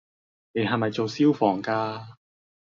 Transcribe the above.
你係咪做消防架